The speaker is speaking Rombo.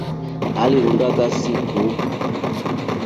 Alirunda kasi ku?